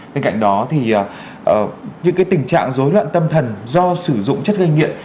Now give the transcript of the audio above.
bên cạnh đó thì những tình trạng dối loạn tâm thần do sử dụng chất gây nghiện